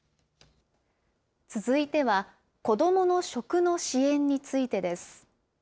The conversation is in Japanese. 続いては、子どもの食の支援についてです。